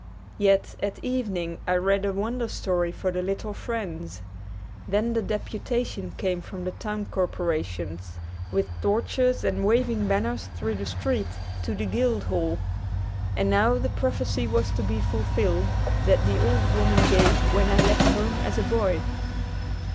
Yet at evening I read a Wonder Story for the little friends. Then the deputation came from the town corporations, with torches and waving banners through the street, to the guild hall. And now the prophecy was to be fulfilled that the old woman gave when I left home as a boy.